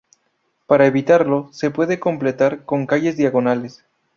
Para evitarlo se puede completar con calles diagonales.